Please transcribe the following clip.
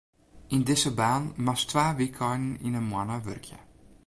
Yn dizze baan moatst twa wykeinen yn 'e moanne wurkje.